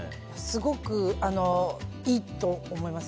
すごくいいと思います。